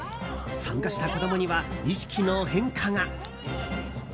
参加した子供には意識の変化が。